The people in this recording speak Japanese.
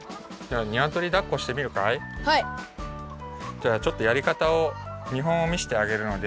じゃあちょっとやりかたをみほんをみせてあげるので。